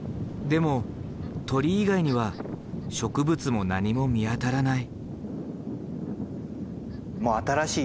でも鳥以外には植物も何も見当たらない。